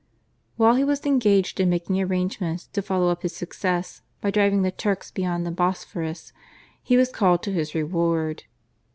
While he was engaged in making arrangements to follow up his success by driving the Turks beyond the Bosphorus he was called to his reward.